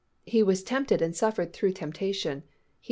He was tempted and suffered through temptation (Heb.